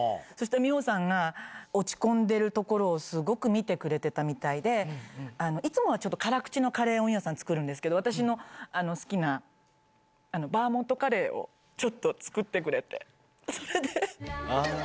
そしたら、美穂さんが落ち込んでるところをすごく見てくれてたみたいで、いつもはちょっと辛口のカレーを美穂さん、作るんですけど、私の好きなバーモントカレーを、ちょっと作ってくれて、それで。